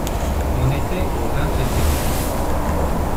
On était au vingt février.